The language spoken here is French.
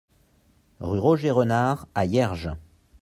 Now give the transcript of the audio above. Rue Roger Renard à Hierges